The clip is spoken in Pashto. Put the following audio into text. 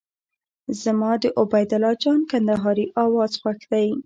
زما د عبید الله جان کندهاري اواز خوښ دی.